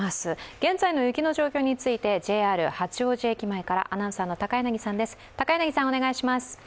現在の雪の状況についてＪＲ八王子駅前からアナウンサーの高柳さんです。